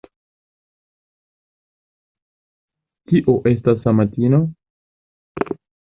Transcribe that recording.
Kio estas amatino?